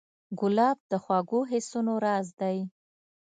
ګلاب د خوږو حسونو راز دی.